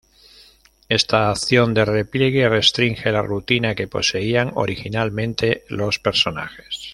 Esta acción de repliegue restringe la rutina que poseían originalmente los personajes.